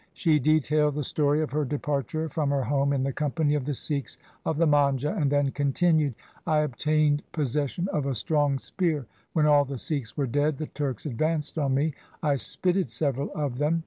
She detailed the story of her departure from her home in the company of the Sikhs of the Manjha, and then continued :' I obtained possession of a strong spear. When all the Sikhs were dead the Turks advanced on me. I spitted several of them.